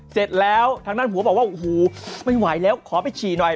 เสร็จแล้วทางด้านผัวบอกว่าโอ้โหไม่ไหวแล้วขอไปฉี่หน่อย